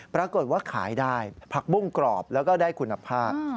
ปรากฏว่าขายได้ผักบุ้งกรอบแล้วก็ได้คุณภาพ